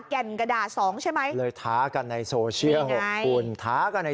แก่นกระดาษสองใช่ไหมเลยท้ากันในโซเชียลหกคุณท้ากันใน